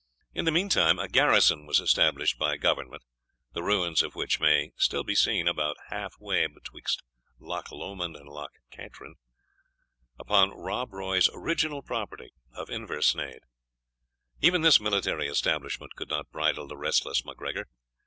In the meanwhile a garrison was established by Government, the ruins of which may be still seen about half way betwixt Loch Lomond and Loch Katrine, upon Rob Roy's original property of Inversnaid. Even this military establishment could not bridle the restless MacGregor.